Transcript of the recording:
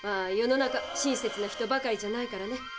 世の中親切な人ばかりじゃないからね。